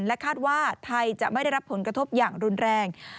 คาดว่าไทยจะไม่ได้รับผลกระทบอย่างรุนแรง